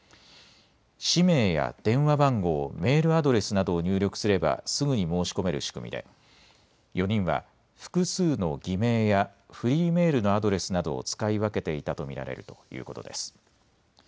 氏名や電話番号、メールアドレスなどを入力すればすぐに申し込める仕組みで４人は複数の偽名やフリーメールのアドレスなどを使い分けていたと見られるということです。